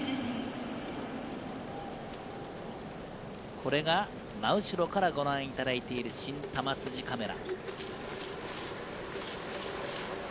これが真後ろからご覧いただいている、新球筋カメラ。